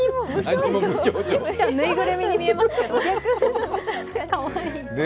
ぬいぐるみに見えますけれども。